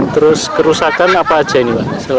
terus kerusakan apa saja ini